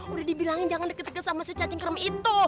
udah dibilangin jangan deket deket sama si cacing krem itu